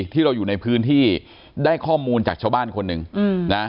ที่เราอยู่ในพื้นที่ได้ข้อมูลจากชาวบ้านคนหนึ่งนะ